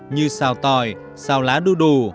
như xào tỏi xào lá đu đủ